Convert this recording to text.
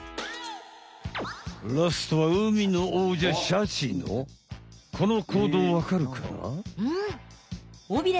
ラストは海のおうじゃシャチのこの行動わかるかな？